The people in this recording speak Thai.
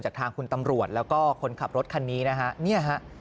จากทางคุณตำรวจแล้วก็คนขับรถคันนี้นี่